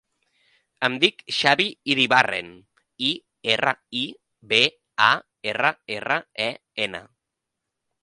Em dic Xavi Iribarren: i, erra, i, be, a, erra, erra, e, ena.